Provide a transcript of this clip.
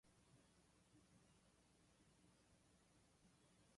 ヒノカミ神楽炎舞（ひのかみかぐらえんぶ）